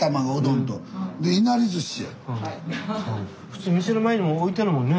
普通店の前にも置いてあるもんね。